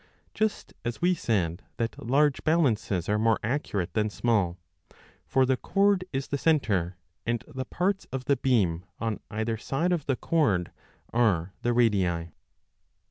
1 Just as we said 2 that 20 large balances are more accurate than small ; for the cord is the centre and the parts of the beam on either side of the cord are the radii.